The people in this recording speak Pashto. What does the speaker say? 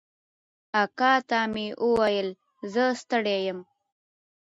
اکا ته مې وويل زه ستړى يم.